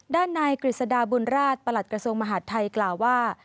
ด้านนายกฤษฎาบุญราชประหลัดกระทรวงมหาดไทยกล่าวว่า